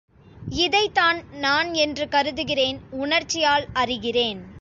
இதைத்தான் நான் என்று கருதுகிறேன் உணர்ச்சியால் அறிகிறேன்.